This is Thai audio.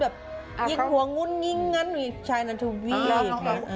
อย่างหัวงุดงิ้งนั้นช่ายนั้นทุ่มวีด